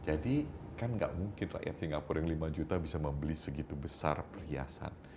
jadi kan nggak mungkin rakyat singapura yang lima juta bisa membeli segitu besar perhiasan